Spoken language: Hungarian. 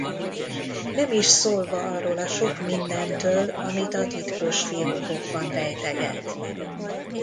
Nem is szólva arról a sok mindentől, amit a titkos fiókokban rejteget.